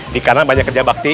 di kanan banyak kerja bakti